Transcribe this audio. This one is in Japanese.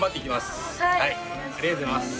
ありがとうございます。